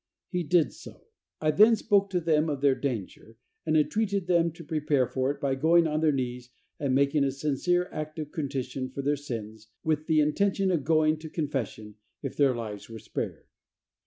He did so. I then spoke to them of their danger, and entreated them to prepare for it by going on their knees and making a sincere act of contrition for their sins, with the intention of going to confession if their lives were spared.